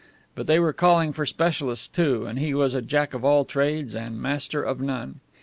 But they were calling for specialists, too, and he was a jack of all trades and master of none.